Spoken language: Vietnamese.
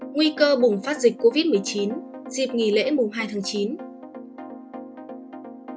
nguy cơ bùng phát dịch covid một mươi chín dịp nghỉ lễ hai chín